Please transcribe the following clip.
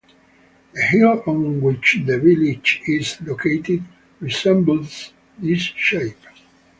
The hill on which the village is located resembles this shape.